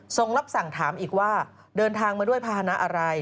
รับสั่งถามอีกว่าเดินทางมาด้วยภาษณะอะไร